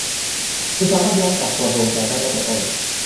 คุณสามารถย้อนกลับกระบวนการได้ตั้งแต่ต้น